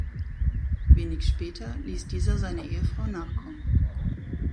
Wenig später ließ dieser seine Ehefrau nachkommen.